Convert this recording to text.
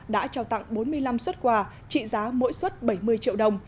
đã trao tặng bốn mươi năm xuất quà trị giá mỗi xuất bảy mươi triệu đồng